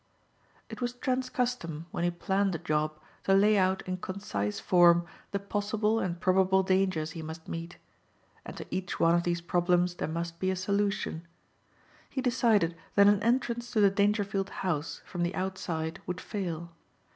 It was Trent's custom when he planned a job to lay out in concise form the possible and probable dangers he must meet. And to each one of these problems there must be a solution. He decided that an entrance to the Dangerfield house from the outside would fail.